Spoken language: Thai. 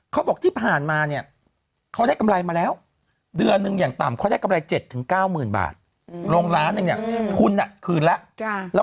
เขาบอกที่ผ่านมาเนี่ยเขาได้กำไรมาแล้วเดือนหนึ่งอย่างต่ำเขาได้กำไร๗๙๐๐บาทลงล้านหนึ่งเนี่ยทุนคืนแล้ว